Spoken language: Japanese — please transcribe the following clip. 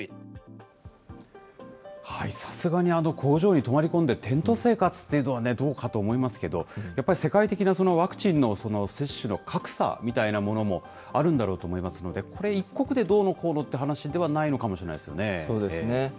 さすがに工場に泊まり込んで、テント生活というのはどうかと思いますけど、やっぱり世界的なワクチンの接種の格差みたいなものもあるんだろうと思いますので、これ、一国でどうのこうのという話ではないのそうですね。